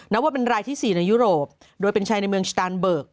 นับว่าเป็นรายที่๔ในยุโรปโดยเป็นชายในเมืองสตานเบิก